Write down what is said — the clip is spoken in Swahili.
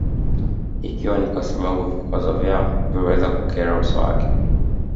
Ikiwa ni kwa sababu vikwazo vyao vilivyoweza kukera uso wake